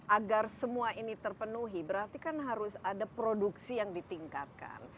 agar semua ini terpenuhi berarti kan harus ada produksi yang ditingkatkan